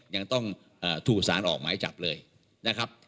ยังต้องถูกสารออกหมายจับเลยนะครับ